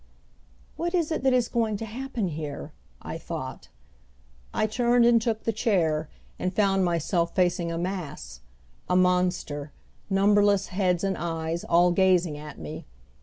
"What is it that is going to happen here?" I thought. I turned and took the chair, and found myself facing a mass, a monster, numberless heads and eyes, all gazing at me.